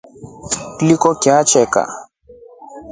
Kliko chatreka.